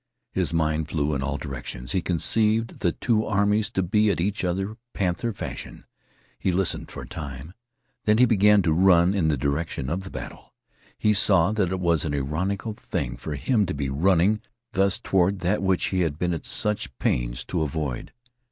His mind flew in all directions. He conceived the two armies to be at each other panther fashion. He listened for a time. Then he began to run in the direction of the battle. He saw that it was an ironical thing for him to be running thus toward that which he had been at such pains to avoid.